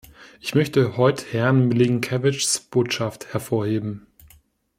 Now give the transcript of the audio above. Ich möchte heute Herrn Milinkevichs Botschaft hervorheben.